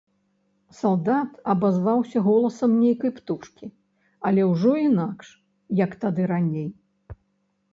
Салдат абазваўся голасам нейкай птушкі, але ўжо інакш, як тады раней.